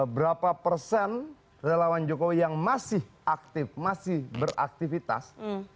berapa persen relawan jokowi yang masih aktif masih beraktivitas